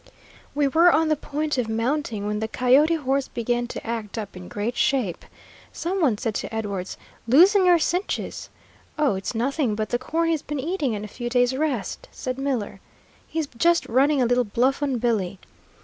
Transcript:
We were on the point of mounting, when the coyote horse began to act up in great shape. Some one said to Edwards, "Loosen your cinches!" "Oh, it's nothing but the corn he's been eating and a few days' rest," said Miller. "He's just running a little bluff on Billy."